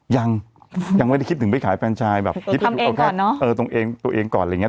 ยังยังไม่ได้คิดถึงไปขายแฟนชายแบบตัวเองก่อนเนอะเออตัวเองตัวเองก่อนอะไรอย่างเงี้ย